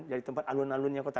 jadi tempat alun alunnya kota